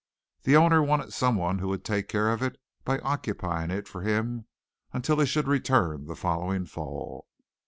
The owner wanted someone who would take care of it by occupying it for him until he should return the following fall.